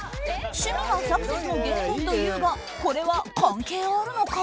趣味がサクセスの原点というがこれは関係あるのか？